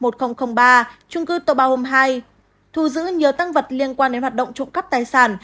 trung cư tàu bào hôm hai thù giữ nhiều tăng vật liên quan đến hoạt động trộm cắp tài sản